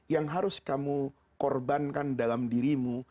yang harus kamu korbankan dalam dirimu